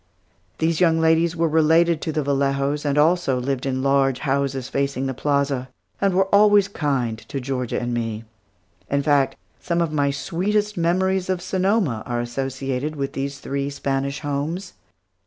These young ladies were related to the Vallejos and also lived in large houses facing the plaza, and were always kind to Georgia and me. In fact, some of my sweetest memories of Sonoma are associated with these three Spanish homes.